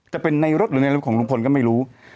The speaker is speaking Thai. จะเป็นในรถหรือในรถของลุงพลก็ไม่รู้